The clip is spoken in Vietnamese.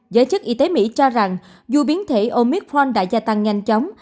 giới chức y tế mỹ cho rằng dù biến thể omithon đã gia tăng nhanh chóng